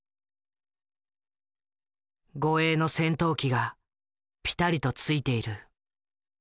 護衛の戦闘機がぴたりとついている。